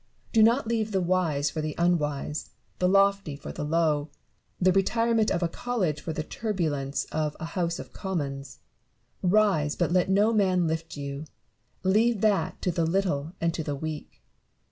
Do not leave the wise for the unwise, the lofty for the low, the retirement of a college for the turbulence of a House of Commons. Rise, but let no man lift you : leave that to the little and to the weak.